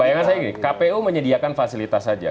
bayangan saya gini kpu menyediakan fasilitas saja